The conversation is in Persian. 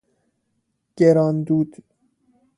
گران دود